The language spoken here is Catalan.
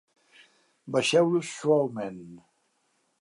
Baixeu-los suaument.